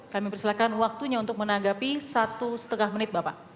kami persilahkan waktunya untuk menanggapi satu setengah menit bapak